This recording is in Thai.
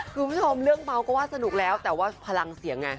คุณผู้ชมเรื่องเมาก็ว่าสนุกแล้วแต่ว่าพลังเสียงไง